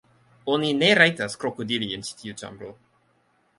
Oni ne rajtas krokodili en ĉi tiu ĉambro.